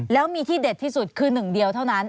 แล้วมีที่เด็ดที่สุดคือหนึ่งเดียวเท่านั้น